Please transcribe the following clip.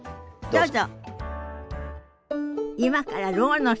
どうぞ。